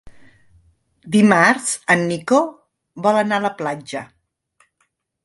Dimarts en Nico vol anar a la platja.